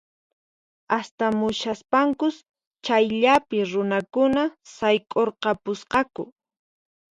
Astamushaspankus chayllapi runakuna sayk'urqapusqaku